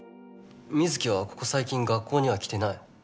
水城はここ最近学校には来てない。